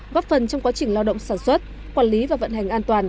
góp phần trong quá trình lao động sản xuất quản lý và vận hành an toàn